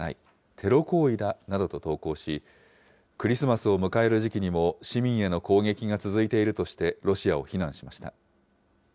テロ行為だなどと投稿し、クリスマスを迎える時期にも市民への攻撃が続いているとして、ロシアを非難しました。